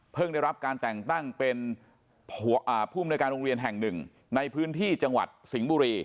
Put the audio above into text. ได้รับการแต่งตั้งเป็นผู้มนวยการโรงเรียนแห่งหนึ่งในพื้นที่จังหวัดสิงห์บุรี